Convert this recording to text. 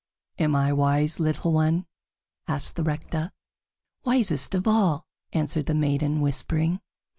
"Am I wise, little one?" asked the Rector. "Wisest of all," answered the maiden, whispering.